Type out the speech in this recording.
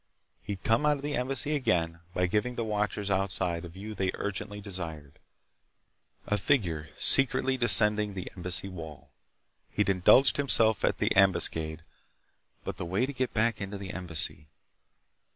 He'd come out of the Embassy, again, by giving the watchers outside a view they urgently desired—a figure secretly descending the Embassy wall. He'd indulged himself at the ambuscade, but the way to get back into the Embassy....